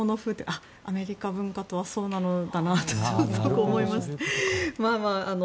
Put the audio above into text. ああ、アメリカ文化とはそうなのだなとすごく思いました。